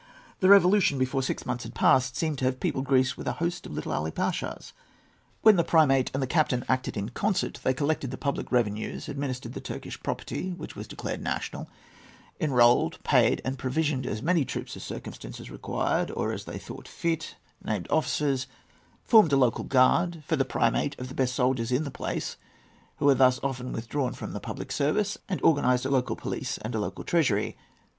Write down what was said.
The Revolution, before six months had passed, seemed to have peopled Greece with a host of little Ali Pashas. When the primate and the captain acted in concert, they collected the public revenues; administered the Turkish property, which was declared national; enrolled, paid, and provisioned as many troops as circumstances required, or as they thought fit; named officers; formed a local guard for the primate of the best soldiers in the place, who were thus often withdrawn from the public service; and organised a local police and a local treasury.